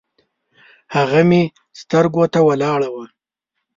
هغه مې سترګو ته ولاړه وه